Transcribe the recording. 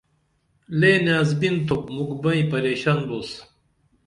لے نیازبِن تُھوپ مُکھ بئیں پریشن بوس